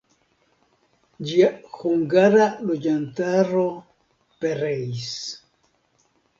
Ĝia hungara loĝantaro pereis.